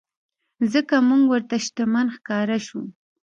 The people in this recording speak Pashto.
ځکه مونږ ورته شتمن ښکاره شوو.